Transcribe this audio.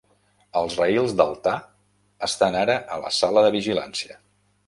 Els Rails d'altar estan ara a la sala de vigilància.